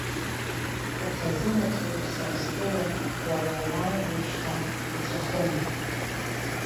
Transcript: Ухазынаҭроуп сара стәылаз, уара умалгьы шьҭа иҵәахым.